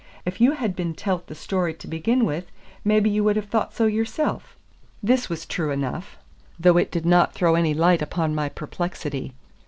If you had been tellt the story to begin with, maybe ye would have thought so yourself." This was true enough, though it did not throw any light upon my perplexity.